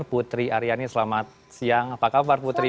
putri aryani selamat siang apa kabar putri